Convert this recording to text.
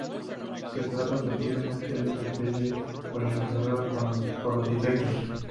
Se trata posiblemente de una especie polinizada por los insectos.